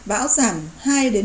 bão giảm hai ba km